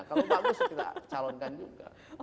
kalau bagus kita calonkan juga